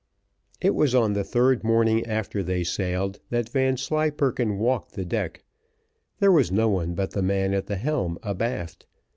It was on the third morning after they sailed, that Vanslyperken walked the deck: there was no one but the man at the helm abaft.